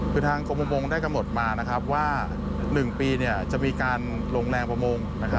คือทางกระมวงได้กำหนดมานะครับว่า๑ปีจะมีการลงแรงประมวง